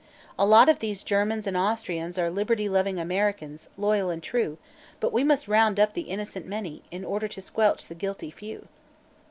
A lot of these Germans and Austrians are liberty loving Americans, loyal and true, but we must round up the innocent many, in order to squelch the guilty few."